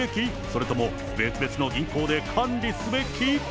それとも別々の銀行で管理すべき？